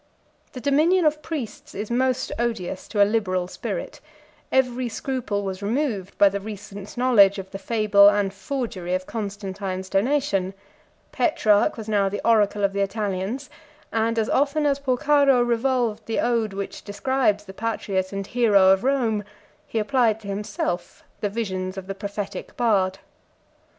The dominion of priests is most odious to a liberal spirit: every scruple was removed by the recent knowledge of the fable and forgery of Constantine's donation; Petrarch was now the oracle of the Italians; and as often as Porcaro revolved the ode which describes the patriot and hero of Rome, he applied to himself the visions of the prophetic bard.